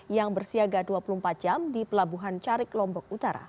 yang bersiaga dua puluh empat jam di pelabuhan carik lombok utara